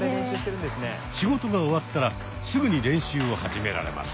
仕事が終わったらすぐに練習を始められます。